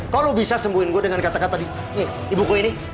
kok lo bisa sembuhin gue dengan kata kata di buku ini